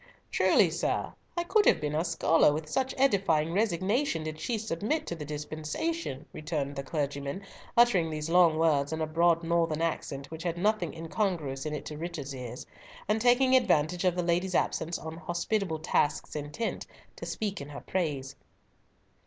"Truly, sir, I could have been her scholar, with such edifying resignation did she submit to the dispensation," returned the clergyman, uttering these long words in a broad northern accent which had nothing incongruous in it to Richard's ears, and taking advantage of the lady's absence on "hospitable tasks intent" to speak in her praise.